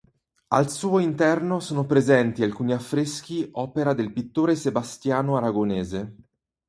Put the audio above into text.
Al suo interno sono presenti alcuni affreschi opera del pittore Sebastiano Aragonese.